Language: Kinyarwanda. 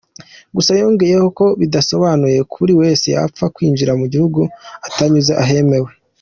Gusa yongeyeho ko bidasobanuye ko buri wese yapfa kwinjira mu gihugu atanyuze ahemewe.